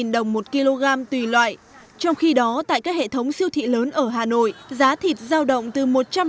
đồng một kg tùy loại trong khi đó tại các hệ thống siêu thị lớn ở hà nội giá thịt giao động từ